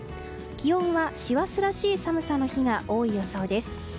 気温は師走らしい寒さの日が多い予想です。